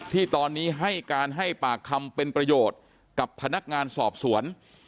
ที่ตอนนี้ให้การให้ปากคำเป็นประโยชน์กับพนักงานสอบสวน